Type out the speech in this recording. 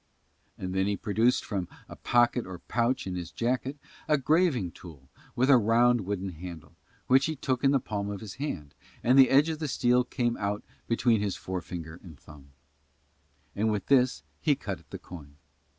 And then he produced from a pocket or pouch in his jacket a graving tool with a round wooden handle, which he took in the palm of his hand, and the edge of the steel came out between his forefinger and thumb: and with this he cut at the coin.